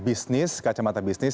kacamata bisnis kacamata bisnis